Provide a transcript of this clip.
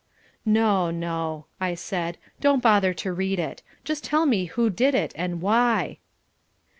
"No, no," I said, "don't bother to read it. Just tell me who did it and why."